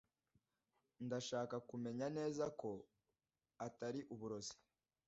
Ndashaka kumenya neza ko atari uburozi